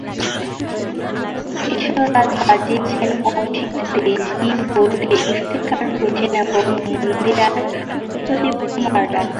এসরাজ বাজিয়েছেন অসিত দে, কি-বোর্ডে ইফতেখার হোসেন এবং মন্দিরায় প্রদীপ কুমার রায়।